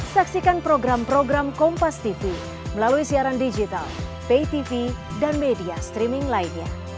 saksikan program program kompastv melalui siaran digital paytv dan media streaming lainnya